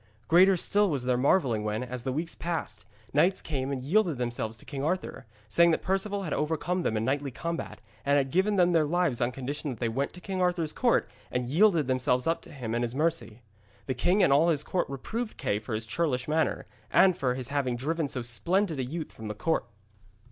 Greater still was their marvelling when, as the weeks passed, knights came and yielded themselves to King Arthur, saying that Perceval had overcome them in knightly combat, and had given them their lives on condition that they went to King Arthur's court and yielded themselves up to him and his mercy. The king and all his court reproved Kay for his churlish manner, and for his having driven so splendid a youth from the court.